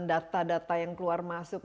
data data yang keluar masuk